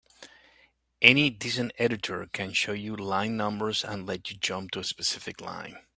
Any decent editor can show you line numbers and let you jump to a specific line.